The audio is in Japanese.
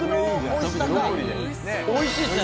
美味しいですね。